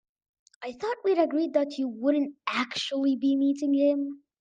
I thought we'd agreed that you wouldn't actually be meeting him?